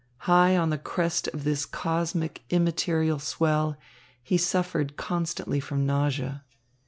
High on the crest of this cosmic, immaterial swell, he suffered constantly from nausea.